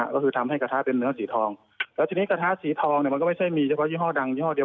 ก็คือทำให้กระทะเป็นเนื้อสีทองแล้วทีนี้กระทะสีทองเนี่ยมันก็ไม่ใช่มีเฉพาะยี่ห้อดังยี่ห้อเดียว